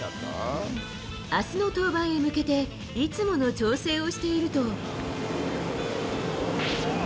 あすの登板へ向けて、いつもの調整をしていると。